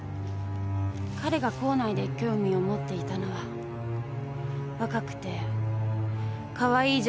彼が校内で興味を持っていたのは若くてかわいい女子学生だけです。